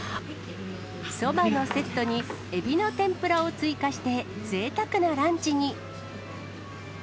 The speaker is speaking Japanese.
そばのセットに、えびの天ぷらを追加して、ぜいたくなランチに。